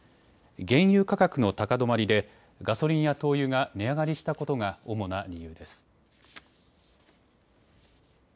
原油価格の高止まりでガソリンや灯油が値上がりしたことが主な理由です。